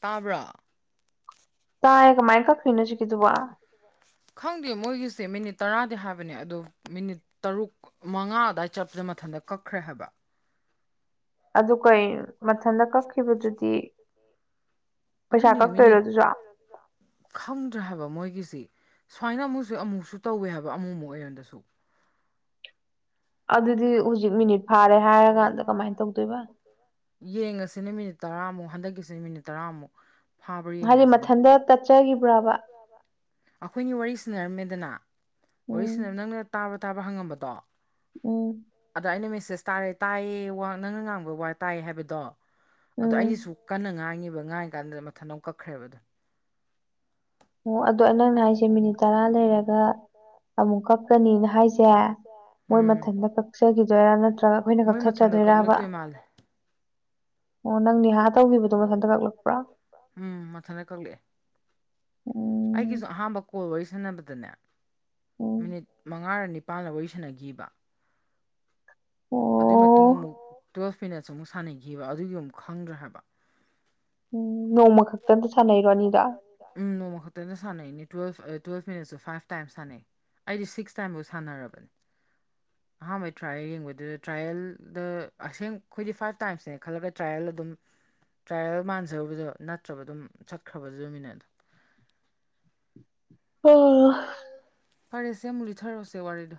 ꯇꯥꯕ꯭ꯔꯥ ꯇꯥꯏꯌꯦ ꯀꯃꯥꯏꯀꯛ ꯈꯪꯗꯦ ꯃꯣꯏꯒꯤꯁꯦ ꯃꯤꯅꯤꯠ ꯇꯔꯥꯗꯤ ꯍꯥꯏꯕꯅꯦ ꯑꯗꯣ ꯃꯤꯅꯤꯠ ꯇꯔꯨꯛ ꯃꯉꯥ ꯑꯗꯨꯋꯥꯏ ꯆꯠꯄꯗ ꯃꯊꯟꯇ ꯀꯛꯈ꯭ꯔꯦ ꯍꯥꯏꯕ ꯑꯗꯨ ꯀꯩ ꯑꯗꯨꯅꯤ ꯃꯤꯅꯤꯠ ꯈꯪꯗ꯭ꯔꯦ ꯍꯥꯏꯕ ꯃꯣꯏꯒꯤꯁꯤ ꯁꯨꯃꯥꯏꯅ ꯑꯃꯨꯛꯁꯨ ꯑꯃꯨꯛꯁꯨ ꯇꯧꯋꯦ ꯍꯥꯏꯕ ꯑꯃꯨꯃꯨꯛ ꯑꯩꯉꯣꯟꯗꯁꯨ ꯑꯗꯨꯗꯤ ꯍꯧꯖꯤꯛ ꯃꯤꯅꯤꯠ ꯐꯥꯔꯦ ꯍꯥꯏꯔꯀꯥꯟꯗ ꯀꯃꯥꯏꯅ ꯇꯧꯗꯣꯏꯕ ꯌꯦꯡꯉꯁꯤꯅ ꯃꯤꯅꯤꯠ ꯇꯔꯥꯃꯨꯛ ꯍꯟꯗꯛꯀꯤꯁꯤꯅ ꯃꯤꯅꯤꯠ ꯇꯔꯥꯃꯨꯛ ꯐꯥꯕ꯭ꯔꯥ ꯌꯦꯡꯉꯁꯦꯅꯦ ꯑꯩꯈꯣꯏꯅꯤ ꯋꯥꯔꯤ ꯁꯥꯅꯔꯝꯃꯦꯗꯅ ꯋꯥꯔꯤ ꯁꯟꯅ ꯅꯪꯅ ꯇꯥꯕ ꯇꯥꯕ ꯍꯪꯉꯝꯕꯗꯣ ꯎꯝ ꯑꯗꯣ ꯑꯩꯅ ꯃꯦꯁꯦꯁ ꯇꯥꯔꯦ ꯇꯥꯏꯌꯦ ꯋꯥ ꯅꯪꯅ ꯉꯥꯡꯕ ꯋꯥ ꯇꯥꯏ ꯍꯥꯏꯕꯗꯣ ꯑꯗꯣ ꯑꯩꯩꯅꯁꯨ ꯀꯟꯅ ꯉꯥꯡꯉꯤꯕ ꯕ ꯉꯥꯏ ꯀꯥꯟꯗ ꯃꯊꯟ ꯑꯃꯨꯛ ꯀꯛꯈ꯭ꯔꯦꯕꯗꯣ ꯑꯣ ꯑꯗꯣ ꯅꯪꯅ ꯍꯥꯏꯁꯦ ꯃꯤꯅꯤꯠ ꯇꯔꯥ ꯂꯩꯔꯒ ꯑꯃꯨꯛ ꯀꯛꯀꯅꯤꯅ ꯍꯥꯏꯁꯦ ꯃꯣꯏ ꯃꯊꯟꯇ ꯀꯛꯆꯈꯤꯗꯣꯏꯔꯥ ꯅꯠꯇ꯭ꯔꯒ ꯑꯩꯈꯣꯏꯅ ꯀꯛꯊꯠꯆꯗꯣꯏꯔꯕ ꯑꯣ ꯎꯝ ꯃꯊꯟꯇ ꯀꯛꯂꯛꯑꯦ ꯑꯩꯒꯤꯁꯨ ꯍꯥ ꯣꯏꯁꯅꯕꯇꯅꯦ ꯃꯤꯠ ꯃꯉꯥꯔ ꯅꯤꯄꯥꯜꯅ ꯋꯥꯔꯤ ꯁꯅꯈꯤꯕ ꯑꯗꯨꯏ ꯃꯇꯨꯡ ꯑꯃꯨꯛ ꯇꯨꯋꯦꯜꯐ ꯃꯤꯅꯠꯁ ꯑꯃꯨꯛ ꯁꯥꯟꯅꯈꯤꯕ ꯑꯗꯨꯒꯤ ꯑꯃꯨꯛ ꯈꯪꯗ꯭ꯔꯦ ꯍꯥꯏꯕ ꯅꯣꯡꯃ ꯈꯛꯇ ꯑꯇ ꯁꯥꯟꯅꯩꯔꯣꯅꯤꯗ ꯇꯨꯋꯜꯐ ꯇꯨꯌꯦꯜꯐ ꯃꯤꯅꯠꯁꯨ ꯐꯥꯏꯞ ꯇꯥꯏꯝꯁ ꯁꯥꯟꯅꯩ ꯑꯩꯗꯤ ꯁꯤꯛꯁ ꯇꯥꯏꯝꯐꯧ ꯁꯥꯟꯅꯔꯕꯅꯦ ꯑꯍꯥꯟꯕꯩ ꯇ꯭ꯔꯥꯌꯦꯜ ꯌꯦꯡꯕꯗꯨꯗ ꯇ꯭ꯔꯥꯌꯦꯜꯗ ꯑꯁꯦꯡ ꯑꯩꯈꯣꯏꯗꯤ ꯐꯥꯏꯞ ꯇꯥꯏꯝꯁꯅꯦ ꯈꯜꯂꯒ ꯇ꯭ꯔꯥꯏꯌꯦꯜ ꯑꯗꯨꯝ ꯇ꯭ꯔꯥꯏꯌꯦꯜ ꯃꯥꯟꯖꯔꯨꯕꯗꯣ ꯆꯠꯇ꯭ꯔꯕ ꯑꯗꯨꯝ ꯆꯠꯈ꯭ꯔꯕꯁꯨꯃꯤꯅꯦ ꯑꯗꯣ ꯑꯣ ꯐꯔꯦꯁꯦ ꯑꯃꯨꯛ ꯂꯤꯊꯔꯛꯨꯔꯁꯦ ꯋꯥꯔꯤꯗꯣ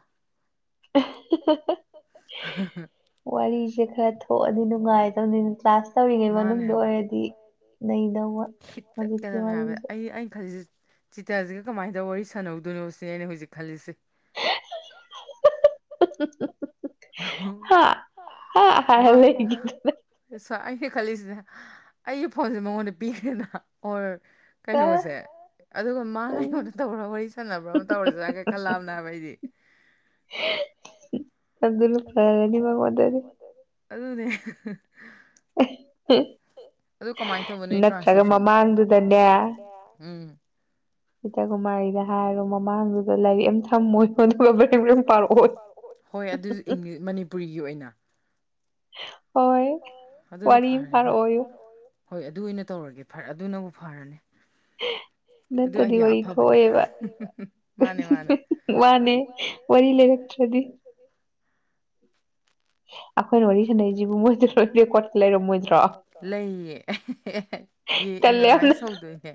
[unintelligible] [unintelligible] ꯋꯥꯔꯤꯁꯦ ꯈꯔ ꯊꯣꯛꯑꯅꯤ ꯅꯨꯡꯉꯥꯏꯗꯕꯅꯤ ꯀ꯭ꯂꯥꯁ ꯇꯧꯔꯤꯉꯩ ꯃꯅꯨꯡꯗ ꯑꯣꯏꯔꯗꯤ ꯅꯩꯅꯗ ꯍꯧꯖꯤꯛꯀꯤ ꯋꯥꯔꯤꯁꯦ ꯆꯤꯇ꯭ꯔꯁꯤꯒ ꯀꯃꯥꯏꯅ ꯋꯥꯔꯤ ꯁꯥꯟꯅꯧꯗꯣꯏꯅꯣ ꯁꯤ ꯑꯩꯅ ꯍꯧꯖꯤꯛ ꯈꯜꯂꯤꯁꯦ [unintelligible] ꯃꯥꯁ ꯍ ꯈꯜꯂꯤꯁꯤꯅꯦ ꯑꯩꯒꯤ ꯐꯣꯟꯁꯦ ꯃꯉꯣꯟꯗ ꯄꯤꯈ꯭ꯔꯦꯅ ꯑꯣꯔ ꯀꯩꯅꯣꯁꯦ ꯑꯗꯨꯒ ꯃꯥꯅ ꯑꯩꯉꯣꯟꯗ ꯇꯧꯕ꯭ꯔꯥ ꯋꯥꯔꯤ ꯁꯥꯟꯅꯕ꯭ꯔꯥ ꯑꯃ ꯇꯧꯔꯁꯤꯥꯒ ꯈꯜꯂꯛꯑꯕꯅꯦ ꯍꯥꯏꯕ ꯑꯩꯗꯤ ꯐ ꯔꯗꯤꯕ ꯀꯣꯟ ꯗꯤ ꯑꯗꯨꯅꯦ [unintelligible] ꯑꯗꯨ ꯀꯃꯥꯏꯅ ꯇꯧꯕꯅꯣ ꯇ꯭ꯔꯥꯟꯁꯂꯦꯁꯟꯗꯣ ꯎꯝ ꯍꯣꯏ ꯑꯗꯨ ꯃꯅꯤꯄꯨꯔꯤꯒꯤ ꯑꯣꯏꯅ ꯍꯣꯏ ꯋꯥꯔꯤ ꯐꯥꯔ ꯑꯣꯏ ꯍꯣꯏ ꯑꯗꯨ ꯑꯣꯏꯅ ꯇꯧꯔꯒꯦ ꯐꯔꯦ ꯑꯗꯨ ꯅꯕꯨ ꯐꯔꯅꯤ ꯅꯠꯇꯗꯤ ꯋꯥꯔꯤ ꯊꯣꯛꯑꯦꯕ ꯋꯥꯅꯦ ꯋꯥꯔꯤ ꯂꯩꯔꯛꯇ꯭ꯔꯗꯤ ꯑꯣ ꯂꯩꯌꯦ ꯑꯦꯅꯥꯂꯥꯏꯁ ꯇꯧꯗꯣꯏꯅꯦ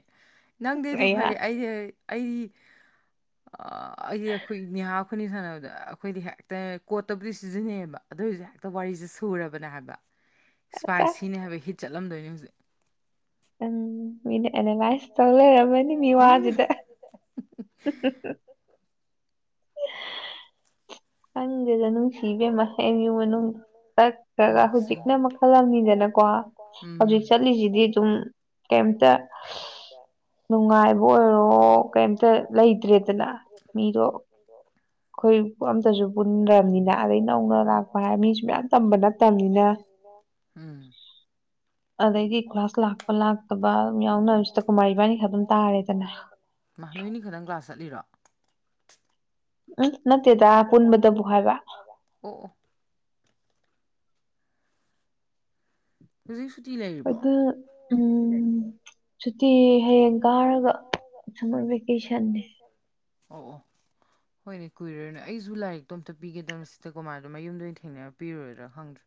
ꯅꯪꯗꯤ ꯑꯗꯨ ꯐꯔꯦ ꯑꯩꯗꯤ ꯑꯩꯗꯤ ꯑꯩꯗꯤ ꯑꯩꯈꯣꯏ ꯅꯅꯤꯍꯥ ꯈꯨꯅꯤ ꯁꯥꯟꯅꯕꯗ ꯑꯩꯈꯣꯏꯗꯤ ꯍꯦꯛꯇ ꯀꯣꯠꯇꯕꯨꯗꯤ ꯁꯤꯖꯤꯟꯅꯩꯑꯕ ꯑꯗꯨꯑꯣꯏꯁꯨ ꯍꯦꯛꯇ ꯑ ꯋꯥꯔꯤꯁꯦ ꯁꯨꯔꯕꯅꯦ ꯍꯥꯏꯕ ꯏꯁꯄꯥꯏꯁꯤꯅꯦ ꯍꯥꯏꯕ ꯍ ꯆꯠꯂꯝꯗꯣꯏꯅꯤ ꯍꯧꯖꯤꯛ ꯎꯝ ꯃꯤ ꯑꯦꯅꯦꯉꯥꯏ ꯇꯪ ꯂꯩꯔꯝꯃꯅꯤ ꯃꯤ ꯋꯥꯁꯤꯗ ꯁꯤ ꯍꯪꯦꯗꯅꯨ ꯁꯤꯕꯦꯝꯩ ꯏꯃꯨꯡ ꯃꯅꯨꯡ ꯆꯠꯈ꯭ꯔꯒ ꯍꯧꯖꯤꯛꯅ ꯃꯈꯜ ꯑꯃꯅꯤꯪꯉꯤꯗꯅꯀꯣ ꯍꯧꯖꯤꯛ ꯆꯠꯂꯤꯁꯤꯗꯤ ꯑꯗꯨꯝ ꯀꯩꯝꯇ ꯅꯨꯡꯉꯥꯏꯕ ꯑꯣꯏꯔꯣ ꯀꯩꯝꯇ ꯂꯩꯇ꯭ꯔꯦꯗꯅ ꯃꯤꯗꯣ ꯑꯩꯈꯣꯏ ꯑꯝꯇꯁꯨ ꯄꯨꯟꯈ꯭ꯔꯕꯅꯤꯅ ꯑꯗꯩ ꯅ ꯂꯥꯛꯄ ꯍꯥꯏ ꯃꯤꯁꯨ ꯃꯌꯥꯝ ꯇꯝꯕ ꯅꯠꯇꯕꯅꯤꯅ ꯎꯝ ꯅꯣꯏꯅꯤ ꯈꯇꯪ ꯀ꯭ꯂꯥꯁ ꯆꯠꯂꯤꯔꯣ ꯎꯝ ꯅꯠꯇꯦꯗ ꯄꯨꯟꯕꯗꯕꯨ ꯍꯥꯏꯕ ꯑꯗ ꯎꯝ ꯁꯨꯇꯤ ꯍꯌꯦꯡ ꯀꯥꯔꯒ ꯁꯝꯃꯔ ꯚꯦꯀꯦꯁꯟꯅꯦ ꯑꯣ ꯑꯣ ꯍꯣꯏꯅꯦ ꯀꯨꯏꯔꯔꯣꯏꯅ ꯑꯩꯁꯨ ꯂꯥꯏꯔꯤꯛꯇꯣ ꯑꯝꯇ ꯄꯤꯒꯗꯕ ꯁꯤꯗ ꯀꯃꯥꯏꯅꯗꯣ ꯃꯌꯨꯝꯗ ꯑꯣꯏꯅ ꯊꯦꯡꯅꯔ ꯄꯤꯔꯣꯏꯗ꯭ꯔꯥ ꯈꯪꯗ꯭ꯔꯦ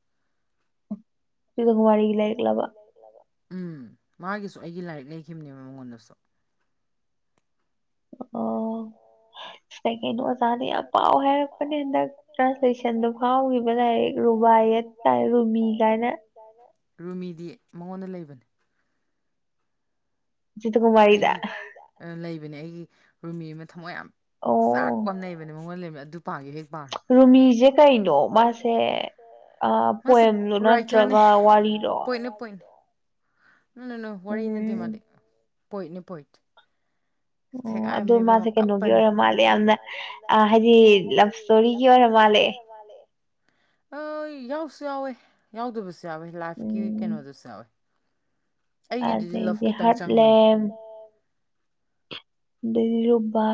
ꯑꯗꯨꯣ ꯄꯨꯋꯥ ꯋꯥꯔꯤꯒꯤ ꯂꯥꯏꯔꯛꯂꯕ ꯎꯝ ꯃꯥꯒꯤꯁꯨ ꯑꯩꯒꯤ ꯂꯥꯏꯔꯤꯛ ꯂꯩꯈꯤꯕꯅꯦꯕ ꯃꯉꯣꯟꯗꯁꯨ ꯑꯣ ꯁꯦꯀꯩꯅꯣ ꯑꯣꯖꯥꯅ ꯌꯥꯝ ꯄꯥꯎ ꯍꯥꯏꯔꯛꯄꯅꯦ ꯍꯟꯗꯛ ꯇ꯭ꯔꯥꯟꯁꯂꯦꯁꯟꯗꯣ ꯐꯥꯎꯈꯤꯕ ꯂꯥꯏꯔꯤꯛ ꯔꯨꯕꯥꯌꯦꯠ ꯀꯥꯏ ꯔꯨꯃꯤ ꯀꯥꯏꯅ ꯔꯨꯃꯤꯗꯤ ꯃꯉꯣꯟꯗ ꯂꯩꯕꯅꯤ ꯆꯖꯤꯠꯇꯀꯨꯃꯔꯤꯗ ꯅꯦ ꯑꯩꯒꯤ ꯔꯨꯃꯤ ꯑꯃ ꯊꯝꯃꯣꯏ ꯌꯥꯝ ꯆꯥꯛ ꯀꯣꯟꯅꯩꯕꯅꯤ ꯃꯉꯣꯟ ꯂꯩ ꯑꯗꯨ ꯔꯨꯃꯤꯖꯦ ꯀꯥꯏꯅꯣ ꯃꯥꯁꯦ ꯑ ꯄꯣꯝꯗꯨꯣ ꯅꯠꯇ꯭ꯔꯒ ꯋꯥꯔꯤꯗꯣ ꯎꯅ ꯍꯔ ꯏꯅꯠꯇꯦ ꯃꯥꯗꯤ ꯄꯣꯏꯅꯤ ꯄꯣꯏꯠ ꯑꯣ ꯑꯗꯨ ꯃꯥꯁꯦ ꯀꯩꯅꯣꯒꯤ ꯑꯣꯏꯔ ꯃꯥꯜꯂꯦ ꯌꯥꯝꯅ ꯑ ꯍꯥꯏꯗꯤ ꯂꯞ ꯏꯁꯇꯣꯔꯤꯒꯤ ꯑꯣꯏꯔ ꯃꯥꯜꯂꯦ ꯑ ꯌꯥꯎꯁꯨ ꯌꯥꯎꯋꯦ ꯌꯥꯎꯗꯕꯁꯦ ꯌꯥ ꯆꯥꯎꯋꯦ ꯂꯥꯏꯐꯀꯤ ꯀꯩꯅꯣꯗꯁꯨ ꯌꯥꯎꯋꯦ ꯑꯁꯒꯤꯍꯠ ꯂꯦꯝ ꯔꯕꯥ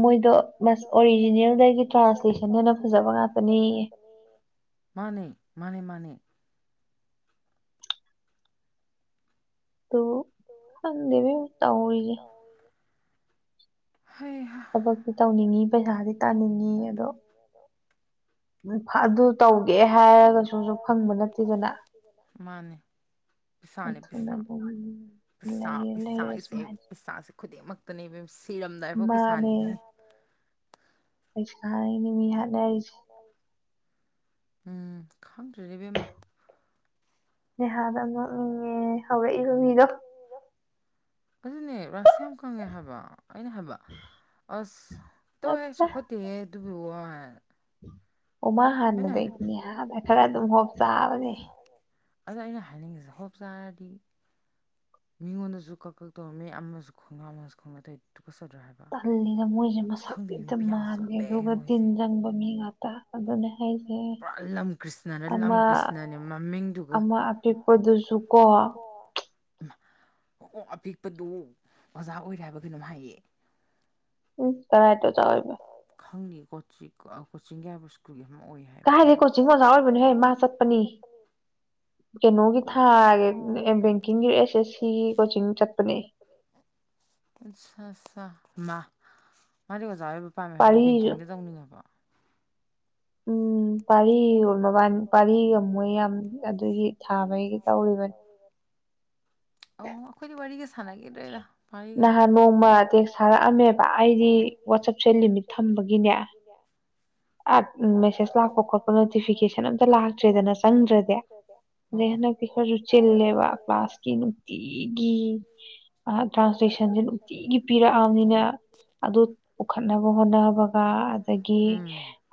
ꯃꯣꯏꯗ ꯕꯁ ꯑꯣꯔꯤꯖꯤꯅꯦꯜꯗ ꯑꯩꯒꯤ ꯇ꯭ꯔꯥꯟꯁꯂꯦꯁꯟꯅꯦꯟꯅ ꯐꯖꯕ ꯉꯥꯛꯇꯅꯤꯌꯦ ꯍꯗꯦꯕꯤ ꯇ ꯍ ꯊꯕꯛꯁꯨ ꯇꯧꯅꯤꯡꯉꯤ ꯄꯩꯁꯥꯗꯤ ꯆꯥꯅꯤꯡꯉꯤ ꯑꯗꯣ ꯎ ꯑꯗꯨ ꯇꯧꯒꯦ ꯍꯥꯏꯔꯒꯁꯨꯁꯨ ꯐꯪꯕ ꯅꯠꯇꯦꯗꯅꯨꯅ ꯑꯗꯨꯝ ꯂꯩꯌꯦ ꯂꯩꯌꯦ ꯁꯨꯃꯥꯏꯅ ꯑꯁꯤ ꯈꯨꯗꯤꯡꯃꯛꯇꯅꯦꯕ ꯁꯤꯔꯝꯗꯥꯏꯐꯥꯎ ꯄꯩꯁꯥꯅꯤꯅꯦ ꯄꯩꯁ ꯏ ꯃꯤꯍꯜꯂ ꯍꯥꯏ ꯑ ꯎꯝ ꯈꯪ ꯕꯃ ꯅꯦꯍꯥꯗ ꯑꯃꯨꯛꯅꯤꯡꯉꯦ ꯍꯧꯔꯛꯏꯕ ꯃꯤꯗꯣ ꯑꯗꯨꯅꯦ ꯔꯁꯤ ꯌꯥꯝ ꯈꯪꯉꯦ ꯍꯥꯏꯕ ꯑꯩꯅ ꯍꯥꯏꯕ ꯑꯁ ꯇꯧ ꯆꯥꯎꯈꯠꯇꯦ ꯑꯗꯨꯠꯇ ꯄ ꯎꯃꯥ ꯍꯥꯟꯅꯗꯩꯅꯤꯌꯥꯅ ꯈꯔ ꯑꯗꯨꯝ ꯍꯣꯞ ꯆꯥꯕꯅꯦ ꯑꯗ ꯑꯩꯅ ꯍꯥꯏꯅꯤꯡꯉꯤꯁꯦ ꯍꯣꯞ ꯆꯔꯗꯤ ꯃꯤꯉꯣꯟꯗꯁꯨ ꯀꯛ ꯀꯛ ꯇꯧꯔꯝꯃꯤ ꯑꯃꯁꯨ ꯈꯣꯡꯪꯂ ꯑꯃꯁꯨ ꯈꯣꯡꯉ ꯑꯇꯩ ꯇꯜꯂꯤꯗ ꯃꯣꯏꯁꯦ ꯃꯁꯛꯝꯇ ꯃꯥꯟꯜꯂꯦ ꯑꯗꯨꯒ ꯇꯤꯟ ꯆꯪꯕ ꯃꯤ ꯉꯥꯛꯇ ꯑꯗꯨꯅꯦ ꯍꯥꯏꯁꯦ ꯑꯃ ꯑꯃ ꯑꯄꯤꯛꯄꯗꯨꯁꯨ ꯀꯣ ꯑꯣ ꯑꯣ ꯑꯄꯤꯛꯄꯗꯨ ꯑꯣꯖꯥ ꯑꯣꯏꯔꯦ ꯍꯥꯏꯕ ꯀꯩꯅꯣꯝ ꯍꯥꯏꯌꯦ ꯎꯝ ꯁꯔꯥꯏ ꯇ ꯆꯥꯎꯣꯏꯕ ꯀꯣꯆꯤꯡ ꯀꯣꯆꯤꯡꯒꯦ ꯍꯥꯏꯕ ꯁꯀꯨꯜ ꯀꯥꯏꯗꯤ ꯀꯣꯆꯤꯡ ꯑꯣꯖꯥ ꯑꯣꯏꯕꯅꯤ ꯍ ꯃꯥ ꯆꯠꯄꯅꯤ ꯀꯩꯅꯣꯒꯤ ꯊꯥꯒꯤ ꯕꯦꯡꯀꯤꯡꯒꯤ ꯑꯦꯁ ꯑꯦꯁ ꯁꯤꯒꯤ ꯀꯣꯆꯤꯡ ꯆꯠꯄꯅꯦ [inaudible] ꯃ ꯑꯣꯏ ꯑꯣꯖꯥ ꯑꯣꯏꯕ ꯄꯥꯝꯃꯦ ꯍꯥꯏꯕꯗꯤ ꯕꯦꯡꯀꯤꯡꯗ ꯇꯧꯅꯤꯡꯉꯕ ꯎꯝ ꯄꯥꯔꯤ ꯃꯕꯥꯜ ꯄꯥꯔꯤꯒ ꯃꯣꯏ ꯌꯥꯝ ꯑꯗꯨꯒꯤ ꯊꯥ ꯑꯃꯒꯤꯩꯒꯤ ꯇꯧꯔꯤꯕꯅꯤ ꯑꯣ ꯑꯩꯈꯣꯏ ꯅꯍꯥꯟ ꯅꯣꯡꯃ ꯇꯦꯛꯁ ꯊꯥꯔꯛꯑꯝꯃꯦꯕ ꯑꯩꯗꯤ ꯋꯥꯆꯞꯁꯦ ꯂꯤꯃꯤꯠ ꯊꯝꯕꯒꯤꯅꯦ ꯑ ꯃꯦꯁꯦꯖ ꯂꯥꯛꯄ ꯈꯣꯠꯄ ꯅꯣꯇꯤꯐꯤꯀꯦꯁꯟ ꯑꯝꯇ ꯂꯥꯛꯇ꯭ꯔꯦꯗꯅ ꯆꯪꯗ꯭ꯔꯗꯤ ꯑꯗꯩ ꯍꯟꯗꯛꯇꯤ ꯈꯔꯁꯨ ꯆꯤꯜꯂꯦꯕ ꯀ꯭ꯂꯥꯁꯀꯤ ꯅꯨꯡꯇꯤꯒꯤ ꯇ꯭ꯔꯥꯟꯁꯂꯦꯁꯟꯁꯦ ꯅꯨꯡꯇꯤꯒꯤ ꯄꯤꯔꯛꯑꯕꯅꯤꯅ ꯑꯗꯨ ꯄꯨꯈꯠꯅꯕ ꯍꯣꯠꯅꯕꯒ ꯑꯗꯒꯤ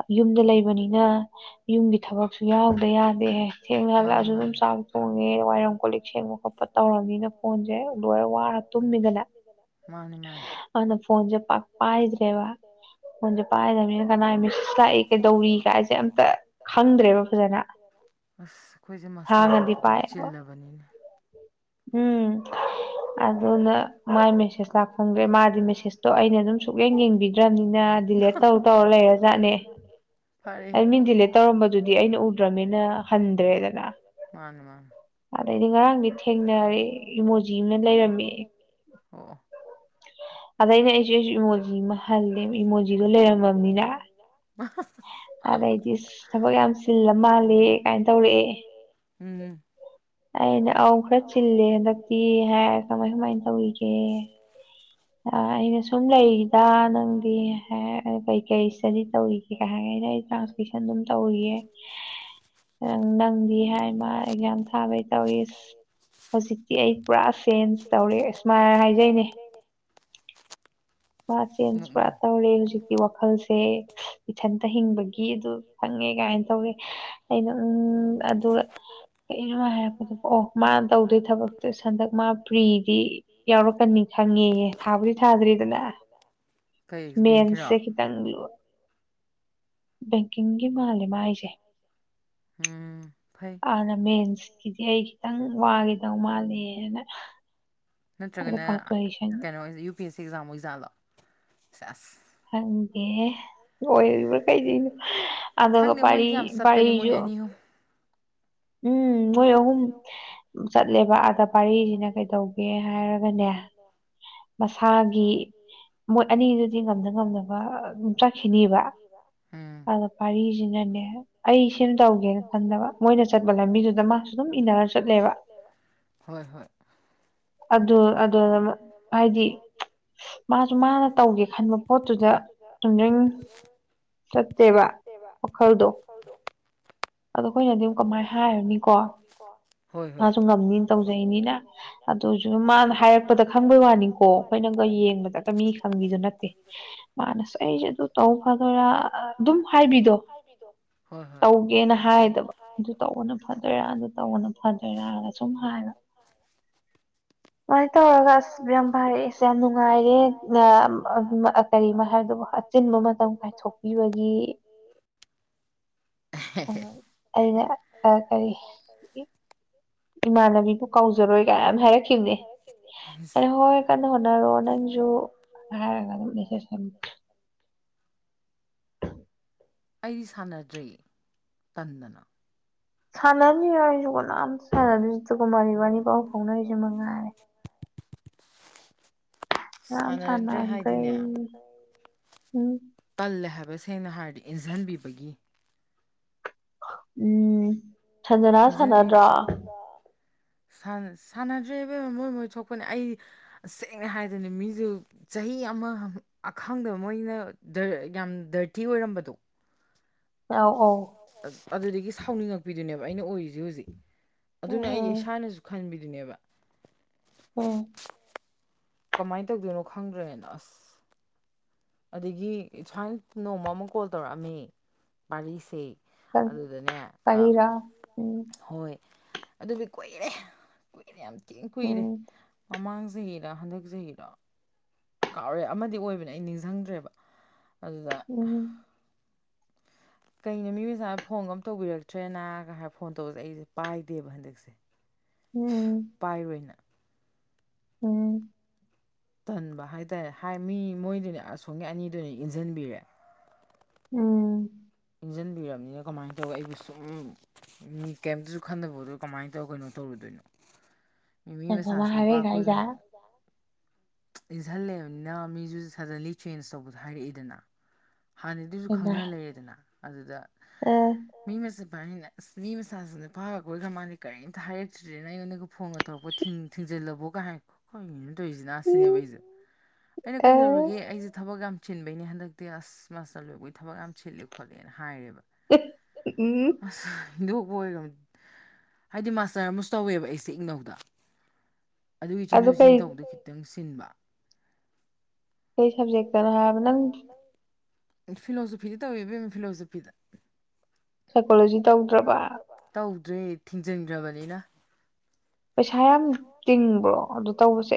ꯌꯨꯝ ꯗ ꯂꯩꯕꯅꯤꯅ ꯌꯨꯝꯒꯤ ꯊꯕꯛꯁꯨ ꯌꯥꯎꯗ ꯌꯥꯗꯦꯍ ꯁꯦꯡꯅ ꯍꯥꯜꯂꯑꯁꯨ ꯑꯗꯨꯝ ꯆꯥꯛ ꯊꯣꯡꯉꯦ ꯋꯥꯏꯔꯝ ꯀꯣꯠꯂꯤꯛ ꯁꯦꯡꯕ ꯈꯣꯠꯄ ꯇꯧꯔꯕꯅꯤꯅ ꯐꯣꯟꯁꯦ ꯂꯣꯏꯔ ꯋꯥꯔ ꯇꯨꯝꯃꯤꯗꯅ ꯑꯗꯨꯅ ꯐꯣꯟꯁꯦ ꯄꯥꯏꯗ꯭ꯔꯦꯕ ꯐꯣꯟꯁꯦ ꯄꯥꯏꯗꯅꯤꯅ ꯃꯤꯁ ꯀ ꯑꯁ ꯑꯩꯈꯣꯏꯁꯦ ꯃꯥꯁꯇꯔꯔꯛꯄꯗꯒꯤ ꯆꯤꯜꯂꯕꯅꯤꯅ ꯎꯝ ꯑꯗꯨꯅ ꯃꯥꯏ ꯃꯦꯁꯦꯖ ꯂꯥꯛꯈꯣꯡꯗ꯭ꯔꯦ ꯃꯥꯗꯤ ꯃꯦꯁꯦꯁꯇꯣ ꯑꯩꯅ ꯑꯗꯨꯝ ꯁꯨꯛꯂꯡ ꯌꯦꯡꯕꯤꯗ꯭ꯔꯕꯅꯤꯅ ꯗꯤꯂꯦꯠ ꯇꯧ ꯇꯧꯔ ꯂꯩꯔꯖꯥꯠꯅꯦ ꯑ ꯃꯤꯡ ꯗꯤꯂꯦꯠ ꯇꯧꯔꯝꯕꯗꯨꯗꯤ ꯑꯩꯅ ꯎꯗ꯭ꯔꯅꯤꯅ ꯍꯟꯗ꯭ꯔꯦꯗꯅ ꯑꯗꯩꯗꯤ ꯉꯔꯥꯡꯗꯤ ꯊꯦꯡꯅꯔ ꯏꯃꯣꯖꯤ ꯑꯃꯅ ꯂꯩꯔꯝꯃꯦ ꯑꯗ ꯑꯩꯅ ꯑꯩꯁꯨꯦ ꯑꯩꯁꯨ ꯏꯃꯣꯖꯤ ꯑꯃ ꯍꯜꯂꯦꯕ ꯏꯃꯣꯖꯤꯗꯣ ꯂꯩꯔꯝꯃꯕꯅꯤꯅ ꯑꯗꯩꯗꯤ ꯊꯕꯛ ꯌꯥꯝ ꯆꯜꯂ ꯃꯥꯜꯂꯦ ꯀꯥꯏꯅ ꯇꯧꯔꯑꯦ ꯎꯝ ꯑꯅꯈꯔꯥ ꯆꯤꯂꯤ ꯍꯟꯗꯛꯇꯤ ꯍꯥꯏ ꯀꯃꯥꯏ ꯀꯃꯥꯏꯅ ꯇꯧꯔꯤꯒꯦ ꯑꯩꯅ ꯁꯨꯝ ꯂꯩꯔꯤꯗ ꯅꯪꯗꯤ ꯍꯥꯏ ꯀꯩꯀꯩ ꯏꯁꯇꯗꯤ ꯇꯧꯔꯤꯒꯦ ꯀ ꯍꯥꯏꯅ ꯑꯩꯅ ꯑꯩ ꯇ꯭ꯔꯥꯟꯁꯀꯦꯁꯟ ꯑꯗꯨꯝ ꯇꯧꯔꯤꯌꯦ ꯅꯪꯗꯤ ꯍꯥꯏ ꯃꯥ ꯑꯦꯛꯖꯥꯝ ꯊꯥꯕꯩ ꯇꯧꯔꯤꯖꯤ ꯁꯤ ꯑꯩ ꯄꯨꯔꯥ ꯆꯦꯟꯖ ꯇꯧꯔꯦ ꯏꯁꯃꯥꯏꯜ ꯍꯥꯏꯖꯩꯅꯦ ꯃꯥ ꯆꯦꯟꯖ ꯄꯨꯔꯥ ꯇꯧꯔꯦ ꯍꯧꯖꯤꯛꯇꯤ ꯋꯥꯈꯜꯁꯦ ꯏꯊꯟꯇ ꯍꯤꯡꯕꯒꯤ ꯑꯗꯨ ꯈꯪꯉꯦ ꯀꯥꯏꯅ ꯇꯧꯔꯦ ꯑꯩꯅ ꯎ ꯑꯗꯨꯒ ꯀꯒꯤꯅꯣ ꯍꯥꯏꯔꯛꯄꯗ ꯑꯣ ꯃꯥꯅ ꯇꯧꯗꯣꯏ ꯇ ꯊꯕꯛꯇꯨ ꯍꯟꯗꯛ ꯃꯥ ꯐ꯭ꯔꯤꯗꯤ ꯌꯥꯎꯔꯛꯀꯅꯤ ꯈꯪꯉꯦꯌꯦ ꯊꯥꯕꯨꯗꯤ ꯊꯥꯗ꯭ꯔꯤꯗꯅ ꯃꯦꯟꯁꯦ ꯀꯈꯤꯇꯥꯂꯨ ꯕꯦꯡꯀꯤꯡꯒꯤ ꯃꯥꯜꯂꯦ ꯃꯥ ꯑꯩꯁꯦ ꯍꯥꯟꯅ ꯃ ꯗꯤ ꯑꯩ ꯈꯤꯇꯪ ꯋꯥꯈꯤꯗꯧ ꯃꯥꯂꯅ ꯅꯠꯇ꯭ꯔꯒꯅ ꯀꯩꯅꯣ U P S C exam ꯑꯣꯏꯖꯥꯠꯂꯣ ꯆꯁ ꯈꯪꯒꯦ ꯑꯣꯏꯔꯤꯕ꯭ꯔꯥ ꯀꯩꯗꯅꯣ ꯑꯗ ꯀ ꯄ ꯄꯔꯤꯁꯨ ꯎꯝ ꯃꯣꯏ ꯑꯍꯨꯝ ꯆꯠꯂꯦꯕ ꯑꯥꯗ ꯄꯥꯔꯤꯁꯤꯅ ꯀꯩꯗꯧꯒꯦ ꯍꯥꯏꯔꯒꯅꯦ ꯃꯁꯥꯒꯤ ꯃꯣꯏ ꯑꯅꯤꯗꯨꯗꯤ ꯉꯝꯗꯅ ꯉꯝꯅꯕ ꯆꯥꯈꯤꯅꯤꯕ ꯑꯗꯣ ꯄꯥꯔꯤꯁꯤꯅꯅꯦ ꯑꯩ ꯁꯤꯃ ꯇꯧꯒꯦꯅ ꯈꯟꯗꯕ ꯃꯣꯏꯅ ꯆꯠꯄ ꯂꯝꯕꯤꯗꯨꯗ ꯃꯥꯁꯨ ꯑꯗꯨꯝ ꯏꯟꯅꯔꯒ ꯆꯠꯂꯦꯕ ꯍꯥꯏꯗꯤ ꯃꯥꯁꯨ ꯃꯥꯅ ꯇꯧꯒꯦ ꯈꯟꯕ ꯄꯣꯠꯇꯨꯗ ꯂꯝꯖꯪ ꯁꯕꯥ ꯑꯣꯈꯜꯗꯣ ꯍꯥꯎꯗ ꯑꯗꯣ ꯑꯩꯈꯣꯏꯅꯗꯤ ꯀꯃꯥꯏꯅ ꯍꯥꯏꯔꯅꯤꯀꯣ ꯍꯣꯏ ꯍꯣꯏ ꯉꯝ ꯇꯧꯖꯩꯅꯤꯅ ꯑꯗꯨꯅ ꯃꯥꯅ ꯍꯥꯏꯔꯛꯄꯗ ꯈꯪꯕꯒꯤ ꯋꯥꯅꯤꯀꯣ ꯑꯩꯈꯣꯏꯅ ꯌꯦꯡꯕꯗ ꯈꯗ ꯅꯠꯇꯦꯁ ꯑꯗꯨꯝ ꯍꯥꯏꯕꯤꯗꯣ ꯀꯦꯅ ꯍꯥꯏꯗꯕ ꯑꯗꯨ ꯇꯧꯕꯅ ꯐꯗꯣꯏꯔꯥ ꯑꯗꯨ ꯐꯗꯣꯏꯔꯑꯒ ꯁꯨꯝ ꯍꯥꯏꯕ ꯁꯨꯃꯥꯏꯅ ꯇꯧꯔꯒ ꯑꯁ ꯌꯥꯝ ꯐꯔꯛꯑꯦ ꯑꯁ ꯌꯥꯝ ꯅꯨꯡꯉꯥꯏꯔꯦ ꯀꯔꯤꯃꯣ ꯍꯥꯏꯕꯗꯨꯕꯨ ꯑꯆꯤꯟꯕ ꯃꯇꯝ ꯀꯥꯏꯊꯣꯛꯄꯤꯕꯒꯤ ꯎꯝ ꯑꯩꯅ ꯀꯔꯤ ꯏꯃꯥꯟꯅꯕꯤꯕꯨ ꯀꯥꯎꯖꯔꯣꯏ ꯀꯥꯏ ꯑꯃ ꯍꯥꯏꯔꯛꯈꯤꯕꯅꯦ ꯑꯗ ꯍꯣꯏ ꯀꯟꯅ ꯍꯣꯠꯅꯔꯣ ꯅꯪꯁꯨ ꯍꯥꯏꯔꯒ ꯑꯗꯨꯝ ꯃꯦꯁꯦꯖ ꯑꯩꯗꯤ ꯁꯥꯟꯅꯗ꯭ꯔꯦ ꯇꯟꯗꯅ ꯁꯥꯟꯅꯤ ꯔꯥꯏꯖ ꯀꯅ ꯑꯝꯁꯨ ꯁꯅ ꯖꯤꯇꯨ ꯀꯨꯃꯥ ꯏꯕꯅꯤ ꯄꯥꯎ ꯐꯥꯎꯅ ꯍꯥꯏꯁꯨ ꯃꯉꯥꯔ ꯑꯔꯝ ꯁꯅꯗ꯭ꯔ ꯎꯝ ꯇ ꯁꯦꯡꯅ ꯍꯥꯏꯔꯗꯤ ꯏꯟꯁꯤꯟꯕꯤꯕꯒꯤ ꯎꯝ ꯁꯟꯖꯅꯥ ꯁꯅꯗꯥ ꯁꯥꯟꯅꯗ꯭ꯔꯦꯕꯦꯝꯕ ꯃꯣꯏ ꯃꯣꯏ ꯊꯣꯛꯄꯅꯦ ꯑꯩ ꯁꯦꯡꯅ ꯍꯥꯏꯗꯅꯦ ꯃꯤꯁꯨ ꯆꯍꯤ ꯑꯃ ꯑꯈꯪꯗꯕ ꯃꯣꯏꯅ ꯌꯥꯝ ꯗꯔꯇꯤ ꯑꯣꯏꯔꯝꯕꯗꯣ ꯑ ꯑꯧ ꯑꯗꯨꯗꯒꯤ ꯁꯥꯎꯅꯤꯡꯉꯛꯄꯤꯗꯨꯅꯦꯕ ꯑꯩꯅ ꯑꯣꯏꯔꯤꯁꯤ ꯍꯧꯖꯤꯛ ꯑꯗꯨꯅ ꯑꯩ ꯏꯁꯥꯅꯁꯨ ꯈꯟꯕꯤꯗ ꯅꯤꯕ ꯍꯝ ꯀꯃꯥꯏꯅ ꯇꯧꯗꯣꯏꯅꯣ ꯈꯪꯗ꯭ꯔꯦꯅ ꯑꯁ ꯑꯗꯒꯤ ꯁꯨꯃꯥꯏꯅ ꯅꯣꯡꯃ ꯑꯃ ꯀꯣꯜ ꯇꯧꯔꯛꯑꯝꯃꯦ ꯕꯥꯔꯤꯁꯦ ꯐꯔꯤꯔꯥ ꯎꯝ ꯑꯗꯨꯗꯤ ꯀꯨꯏꯔꯦ ꯀꯨꯏꯔꯦ ꯌꯥꯝ ꯀꯨꯏꯔꯦ ꯃꯃꯥꯡ ꯖꯔꯥ ꯍꯟꯗꯛ ꯖꯍꯤꯔꯥ ꯀꯥꯎꯔꯦ ꯑꯃꯗꯤ ꯑꯣꯏꯕꯅꯦ ꯑꯩ ꯅꯤꯡꯁꯤꯡꯗ꯭ꯔꯦꯕ ꯑꯗꯨꯗꯥ ꯀꯩꯅꯣ ꯃꯤ ꯃꯁꯥꯅ ꯐꯣꯟꯒ ꯑꯃ ꯇꯧꯕꯤꯔꯛꯇ꯭ꯔꯦꯅꯒ ꯍꯥꯏ ꯐꯣꯟ ꯇꯧꯁꯦ ꯑꯩꯁꯦ ꯄꯥꯏꯗꯦꯕ ꯍꯟꯗꯛꯁꯦ ꯄꯥꯏꯔꯅ ꯎꯝ ꯇꯟꯕ ꯍꯥꯏꯇꯥꯔꯦ ꯍꯥꯏ ꯃꯤ ꯃꯣꯏꯗꯨꯅꯤ ꯑꯁꯣꯝꯒꯤ ꯑꯅꯤꯗꯨꯅꯤ ꯏꯟꯁꯤꯟꯕꯤꯔꯦ ꯎꯝ ꯏꯟꯁꯤꯟꯕꯤꯔꯕꯅꯤꯅ ꯀꯃꯥꯏꯅ ꯇꯧꯔ ꯑꯩꯕꯨ ꯁꯨꯝ ꯃꯤ ꯀꯩꯝꯇꯁꯨ ꯈꯟꯗꯕꯗꯣ ꯀꯃꯥꯏꯅ ꯇꯧꯔ ꯀꯩꯅꯣ ꯇꯧꯔꯨꯗꯣꯏꯅꯣ ꯃꯤꯃꯤ ꯃꯁꯁꯤꯗꯨꯄꯥꯈꯣꯏꯈ ꯏꯟꯓꯜꯂꯦꯕꯅꯤꯅ ꯃꯤꯁꯨ ꯁꯗꯟꯂꯤ ꯆꯦꯟꯖ ꯇꯧꯕꯗ ꯍꯥꯏꯔꯛꯏꯗꯅ ꯍꯥꯟꯅꯗꯨꯁꯨ ꯈꯪꯅ ꯂꯩꯌꯦꯗꯅ ꯑꯗꯨꯗ ꯑꯥ ꯏꯕꯥꯅꯤꯅ ꯑꯁ ꯃꯤ ꯃꯆꯥꯁꯤ ꯅꯨꯄꯥꯒ ꯀꯣꯏꯈ꯭ꯔ ꯃꯥꯥꯟꯜꯂꯤ ꯀꯔꯤꯝꯇ ꯍꯥꯏꯔꯛꯇ꯭ꯗꯦꯅ ꯅꯣꯟꯗꯒ ꯐꯣꯟꯒ ꯇꯧꯔꯛꯄ ꯊ ꯊꯤꯡꯖꯤꯜꯂꯕꯣꯒ ꯍꯥꯏꯣ ꯇꯣꯏꯏꯁꯤꯅ ꯁꯅꯦ ꯩꯁ ꯑꯩꯅ ꯀꯩꯗꯧꯔꯒꯦ ꯑꯩꯁꯦ ꯊꯕꯛ ꯌꯥꯝ ꯆꯤꯟꯕꯩꯅꯦ ꯍꯟꯗꯛꯇꯤ ꯑꯁ ꯃꯁꯇ ꯂꯣꯏꯕꯒꯤ ꯊꯕꯛ ꯌꯥꯝ ꯆꯤꯜꯂꯦ ꯈꯣꯠꯂꯦꯅ ꯍꯥꯏꯔꯦꯕ ꯑꯦ ꯎꯝ ꯍꯤꯟꯗꯣꯛꯄ ꯑꯣꯏ ꯍꯥꯏꯗꯤ ꯃꯥꯁꯇꯔ ꯑꯃꯁꯨ ꯇꯧꯋꯦꯕ ꯑꯩꯁꯦ ꯏꯪꯅꯧꯗ ꯑꯗꯨꯒꯤ ꯆꯦꯊꯣꯛ ꯆꯤ ꯇꯧꯕꯗꯨꯣ ꯈꯤꯇꯪ ꯁꯤꯤꯟꯕ ꯀꯩ ꯁꯕꯖꯦꯛꯛꯇꯅ ꯍꯥꯏꯕ ꯅꯪ ꯐꯤꯂꯣꯁꯣꯐꯤꯗꯤ ꯇꯧꯋꯦꯕꯦꯝ ꯐꯤꯂꯣꯁꯣꯐꯤꯗ ꯁꯥꯏꯀꯣꯂꯣꯖꯤ ꯇꯧꯗ꯭ꯔꯕ ꯗꯣꯏ ꯊꯤꯡꯖꯤꯟꯈ꯭ꯔꯕꯅꯤꯅ ꯄꯩꯁꯥ ꯌꯥꯝ ꯇꯤꯡꯕ꯭ꯔꯣ ꯑꯗꯨ ꯇꯧꯕꯁꯦ